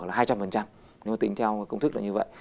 là hai trăm linh nhưng mà tính theo công thức là như vậy